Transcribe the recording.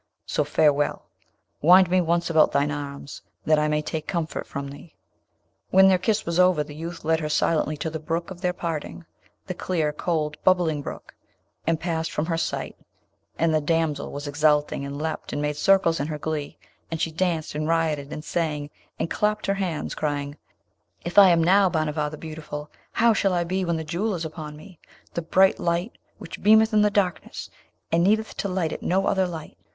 So farewell! Wind me once about with thine arms, that I may take comfort from thee.' When their kiss was over the youth led her silently to the brook of their parting the clear, cold, bubbling brook and passed from her sight; and the damsel was exulting, and leapt and made circles in her glee, and she danced and rioted and sang, and clapped her hands, crying, 'If I am now Bhanavar the Beautiful how shall I be when that Jewel is upon me, the bright light which beameth in the darkness, and needeth to light it no other light?